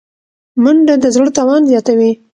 منډه د زړه توان زیاتوي